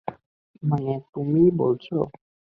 মানে তুমিই বলছো।